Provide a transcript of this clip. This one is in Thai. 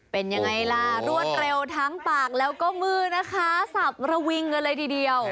เป็นยังไงล่ะรวดเร็วทั้งปากแล้วก็มือนะคะสับระวิงกันเลยทีเดียว